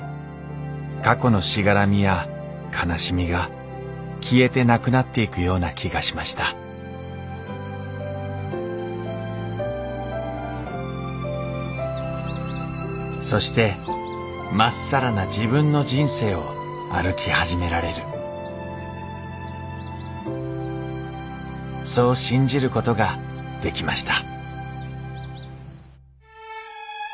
過去のしがらみや悲しみが消えてなくなっていくような気がしましたそして真っさらな自分の人生を歩き始められるそう信じることができました